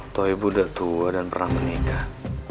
tuh ibu udah tua dan pernah menikah